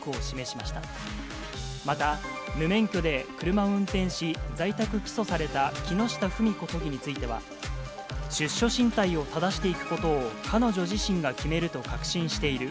また、無免許で車を運転し、在宅起訴された木下富美子都議については、出処進退をただしていくことを彼女自身が決めると確信している。